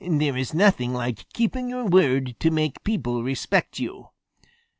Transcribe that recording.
There is nothing like keeping your word to make people respect you."